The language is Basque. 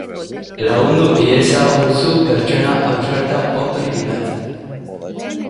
Lagundu iezaguzu pertsona ausartu hopri bilatzen!